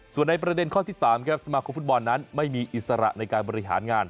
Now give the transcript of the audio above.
ส่วนในประเด็นข้อที่๓ครับสมาคมฟุตบอลนั้นไม่มีอิสระในการบริหารงาน